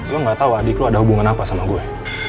gue gak tau adik lo ada hubungan apa sama gue